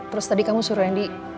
terus tadi kamu suruh randy